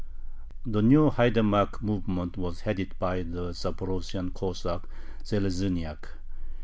The new haidamack movement was headed by the Zaporozhian Cossack Zheleznyak.